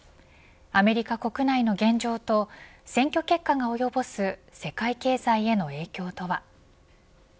アメリカ国内の現状と選挙結果が及ぼす世界経済への影響とは。